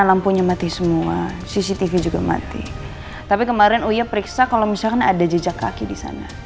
lampunya mati semua cctv juga mati tapi kemarin ia periksa kalau misalkan ada jejak kaki di sana